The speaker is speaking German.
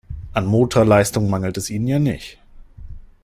An Motorleistung mangelt es ihnen ja nicht.